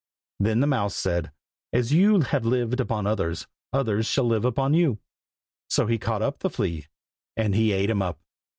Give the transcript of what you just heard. Then the mouse said, "as you have lived upon others, others shall live upon you!" So he caught up the flea, and he ate him up.